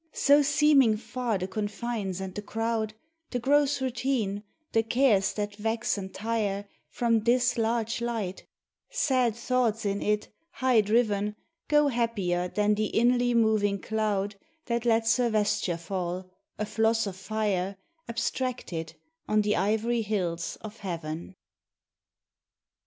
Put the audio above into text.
So seeming far the confines and the crowd, The gross routine, the cares that vex and tire, From this large light, sad thoughts in it, high driven, Go happier than the inly moving cloud That lets her vesture fall, a floss of fire, Abstracted, on the ivory hills of heaven.